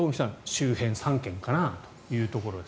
周辺３県かなというところです。